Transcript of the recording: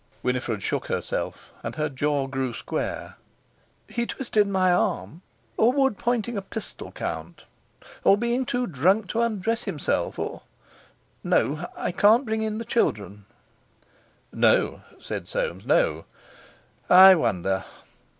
Winifred shook herself, and her jaw grew square. "He twisted my arm. Or would pointing a pistol count? Or being too drunk to undress himself, or—No—I can't bring in the children." "No," said Soames; "no! I wonder!